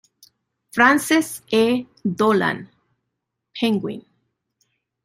Frances E. Dolan, Penguin.